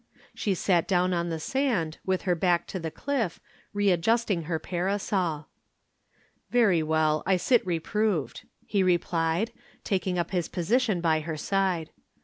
She sat down on the sand, with her back to the cliff, re adjusting her parasol. "Very well. I sit reproved," he replied, taking up his position by her side.